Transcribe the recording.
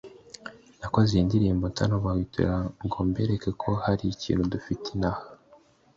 nakoze iyi ndirimbo nsa nk’ubahwitura ngo mbereke ko hari ikintu dufite inaha